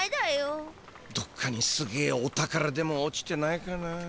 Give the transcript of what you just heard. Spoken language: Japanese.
どっかにすげえお宝でも落ちてないかな。